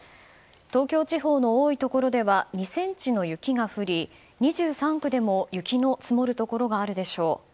東京地方の多いところでは２ｃｍの雪が降り２３区でも雪の積もるところがあるでしょう。